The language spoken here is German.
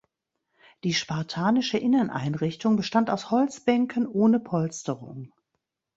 Die spartanische Inneneinrichtung bestand aus Holzbänken ohne Polsterung.